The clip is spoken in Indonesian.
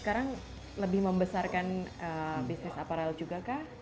sekarang lebih membesarkan bisnis aparel juga kah